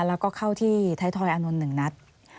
แล้วก็เข้าที่ไทยทอยอานนท์๑นัด